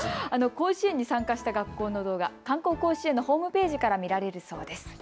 甲子園に参加した学校の動画、観光甲子園ホームページから見られるそうです。